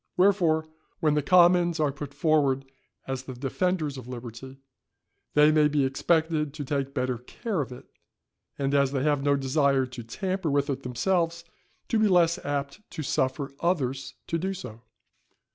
Wherefore, when the commons are put forward as the defenders of liberty, they may be expected to take better care of it, and, as they have no desire to tamper with it themselves, to be less apt to suffer others to do so.